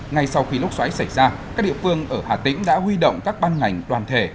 ngay sau khi lốc xoáy xảy ra các địa phương ở hà tĩnh đã huy động các ban ngành toàn thể